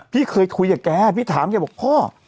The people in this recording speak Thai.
พี่เคยคุยกับแกพี่ถามแกบอกพ่อ